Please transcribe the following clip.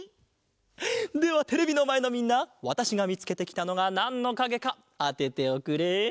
ではテレビのまえのみんなわたしがみつけてきたのがなんのかげかあてておくれ。